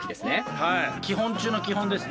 はい基本中の基本ですね。